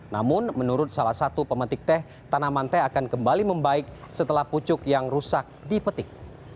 namun menurut salah satu pemetik teh tanaman teh akan kembali membaik setelah pucuk yang rusak dipetik